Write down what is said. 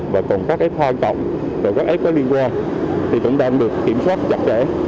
và còn các f hai cộng và các f có liên quan thì cũng đang được kiểm soát chặt chẽ